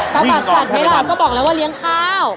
ตาบัดศัตริย์เมลิดก็บอกแล้วว่าเลี้ยงข้าว